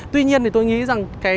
tuy nhiên tôi nghĩ rằng